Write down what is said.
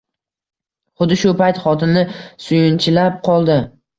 Xuddi shu payt xotini suyunchilab qoldi